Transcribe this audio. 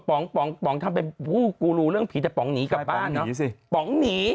ป๋องป๋องทำเป็นผู้กูรู้เรื่องผีแต่ป๋องหนีกลับบ้านเนอะป๋องหนี